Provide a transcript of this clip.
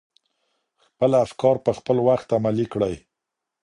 خپل افکار په خپل وخت عملي کړئ.